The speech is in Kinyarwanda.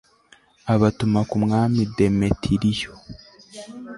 abatuma ku mwami demetiriyo